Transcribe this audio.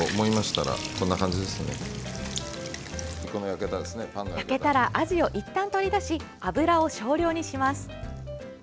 焼けたらアジをいったん取り出し油を少量にします。